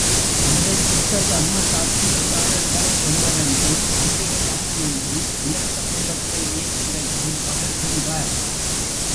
அவரைப் புத்த தர்ம சாட்சியக்காரர்களில் ஒருவரென்றும் அம்பிகை அம்மன் என்றும் உயர்ந்த பீடத்தில் ஏற்றி வைத்து மகிழ்கின்றார்.